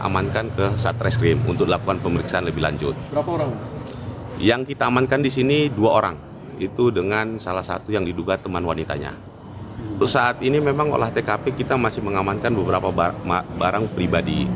menginap serta kendaraan yang dibawa terduga pelaku saat kejadian